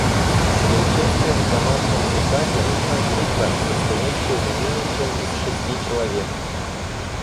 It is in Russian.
Для участия в командном этапе нужна группа, состоящая не менее, чем из шести человек.